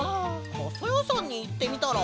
かさやさんにいってみたら？